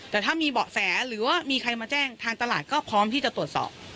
แต่ถ้ามีเบาะแสหรือว่ามีใครมาแจ้งทางตลาดก็พร้อมที่จะตรวจสอบ